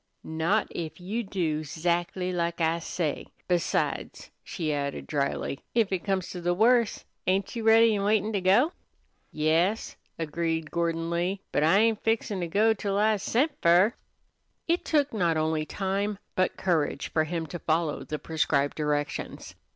"Not if you do 'zactly like I say. Besides," she added dryly, "if it comes to the worst, ain't you ready an' waitin' to go!" "Yas," agreed Gordon Lee; "but I ain't fixin' to go till I's sent fer." It took not only time, but courage, for him to follow the prescribed directions.